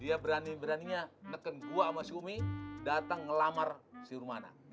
dia berani beraninya neken gua sama si umi datang ngelamar si rumana